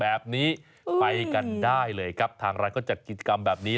แบบนี้ไปกันได้เลยครับทางร้านเขาจัดกิจกรรมแบบนี้